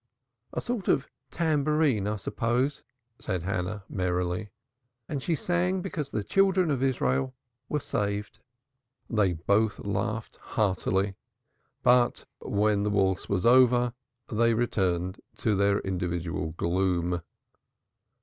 "A sort of tambourine, I suppose," said Hannah merrily, "and she sang because the children of Israel were saved." They both laughed heartily, but when the waltz was over they returned to their individual gloom.